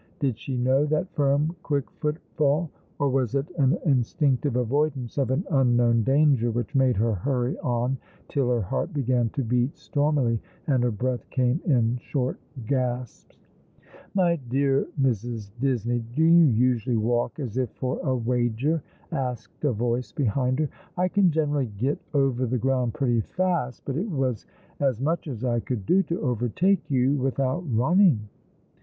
Did she know that firm, quick footfall ; or was it an instinctive ''Oh Moment One and Infinite!'' 47 avoidance of an unknown danger which made her hurry on till her heart began to beat stormily, and her breath came in short gasps ?" My dear Mrs. Disne}'", do you usually walk as if for a wager ?" asked a Yoice behind her. " I can generally get over the ground pretty fast, but it was as much as I could do to overtake you without running."